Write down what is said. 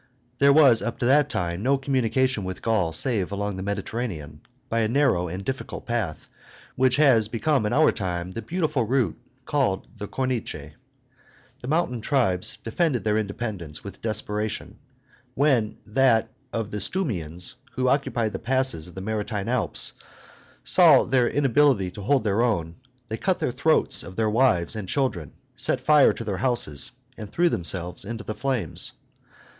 There was up to that time no communication with Gaul save along the Mediterranean, by a narrow and difficult path, which has become in our time the beautiful route called the Corniche. The mountain tribes defended their independence with desperation; when that of the Stumians, who occupied the pass of the maritime Alps, saw their inability to hold their own, they cut the throats of their wives and children, set fire to their houses, and threw themselves into the flames.